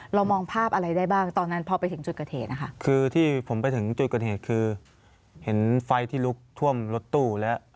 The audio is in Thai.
เรามองภาพอะไรได้บ้างตอนนั้นพอไปถึงจุดเกอร์เทศนะคะ